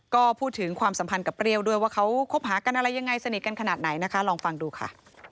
ก็พูดถึงความสัมพันธ์กับเปรี้ยวด้วยว่าเขาคบหากันอะไรยังไงสนิทกันขนาดไหนนะคะลองฟังดูค่ะ